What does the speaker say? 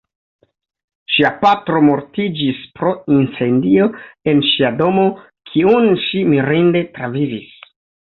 Ŝia patro mortiĝis pro incendio en ŝia domo, kiun ŝi mirinde travivis.